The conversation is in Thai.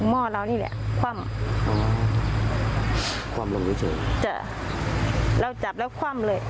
ห้อเรานี่แหละคว่ำคว่ำลงเฉยจ้ะเราจับแล้วคว่ำเลย